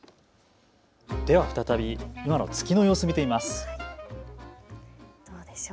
では再び今の月の様子を見てみます。